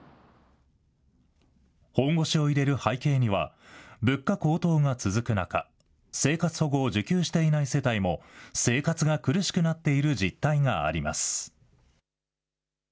本腰を入れる背景には、物価高騰が続く中、生活保護を受給していない世帯も生活が苦しくなっている実態があります。